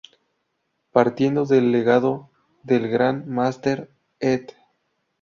Partiendo del legado del Grand Máster Ed.